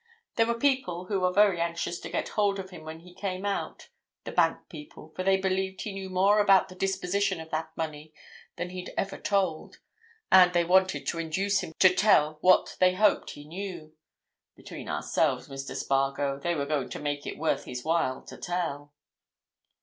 There were people who were very anxious to get hold of him when he came out—the bank people, for they believed that he knew more about the disposition of that money than he'd ever told, and they wanted to induce him to tell what they hoped he knew—between ourselves, Mr. Spargo, they were going to make it worth his while to tell."